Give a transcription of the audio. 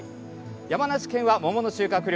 山梨県は桃の収穫量